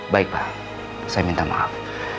baik pak saya minta maaf